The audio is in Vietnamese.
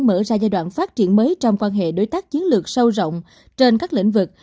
mở ra giai đoạn phát triển mới trong quan hệ đối tác chiến lược sâu rộng trên các lĩnh vực